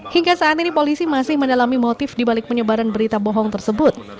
hingga saat ini polisi masih mendalami motif dibalik penyebaran berita bohong tersebut